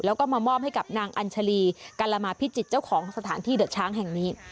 แล้วก็มามอบให้กับนางอัญชาลีกัลละมาพิจิตรเจ้าของสถานที่เดือดช้างแห่งนี้